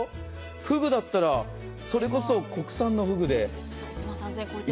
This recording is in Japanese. ふぐだったらそれこそ国産のふぐで。